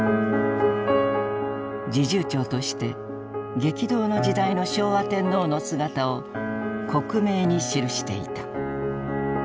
侍従長として激動の時代の昭和天皇の姿を克明に記していた。